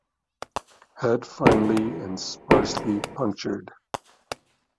Head finely and sparsely punctured.